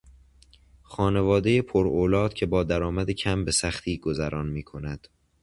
خانوادهی پر اولاد که با درآمد کم به سختی گذران میکند